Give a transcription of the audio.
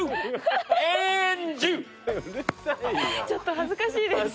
ちょっと恥ずかしいです。